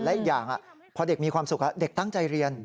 และอีกอย่างพอเด็กมีความสุขเด็กตั้งใจเรียน